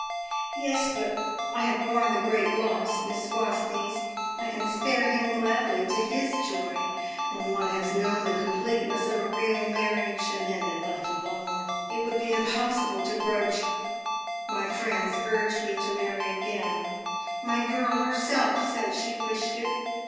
"Yes, but I have borne the great loss, Miss Wastneys; I can spare him gladly, to his joy. When one has known the completeness of a real marriage, and then been left alone, it would be impossible to grudge My friends urge me to marry again; my girl herself said she wished it.